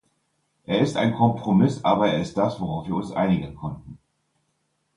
Er ist ein Kompromiss, aber er ist das, worauf wir uns einigen konnten.